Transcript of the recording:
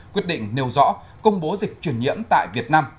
quyết định nêu rõ công bố dịch chuyển nhiễm tại việt nam